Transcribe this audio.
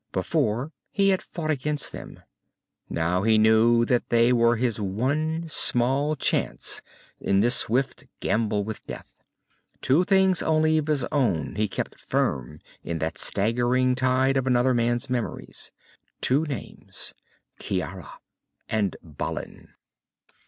Before he had fought against them. Now he knew that they were his one small chance in this swift gamble with death. Two things only of his own he kept firm in that staggering tide of another man's memories. Two names Ciara and Balin.